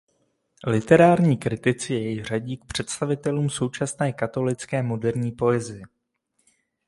Literární kritici jej řadí k představitelům současné katolické moderní poezie.